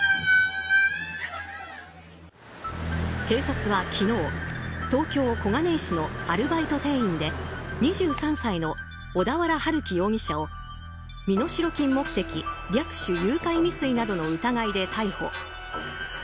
警察は昨日、東京・小金井市のアルバイト店員で２３歳の小田原春輝容疑者を身代金目的略取誘拐未遂などの疑いで逮捕。